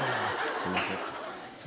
すいません。